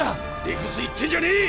理くつ言ってんじゃねえ！